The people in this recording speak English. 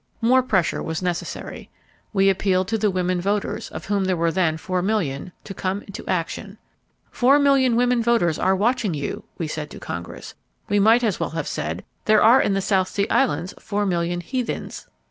More pressure was necessary. We appealed to the women voters, of whom there were then four million, to come into action. "Four million women voters are watching you," we said to Congress. We might as well have said, "There are in the South Sea Islands four million heathens."